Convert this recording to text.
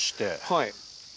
はい。